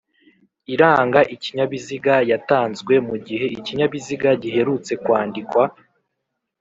Iranga ikinyabiziga yatanzwe mu gihe ikinyabiziga giherutse kwandikwa